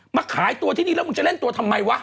มาขายตัวที่นี่แล้วมึงจะเล่นตัวทำไมวะ